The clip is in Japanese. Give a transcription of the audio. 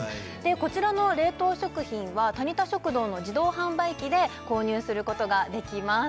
こちらの冷凍食品はタニタ食堂の自動販売機で購入することができます